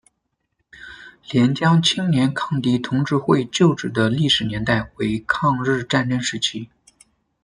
廉江青年抗敌同志会旧址的历史年代为抗日战争时期。